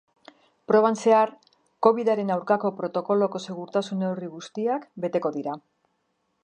Proban zehar, covidaren aurkako protokoloko segurtasun-neurri guztiak beteko dira.